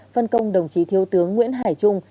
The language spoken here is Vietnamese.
phân công đồng chí thiếu tướng nguyễn hải trung